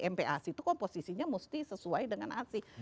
mp asi itu komposisinya mesti sesuai dengan asi